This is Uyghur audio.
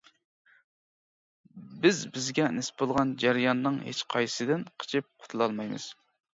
بىز بىزگە نېسىپ بولغان جەرياننىڭ ھېچقايسىسىدىن قېچىپ قۇتۇلالمايمىز.